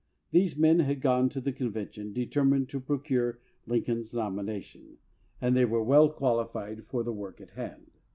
These men had gone to the conven tion determined to procure Lincoln's nomination, and they were well qualified for the work at hand.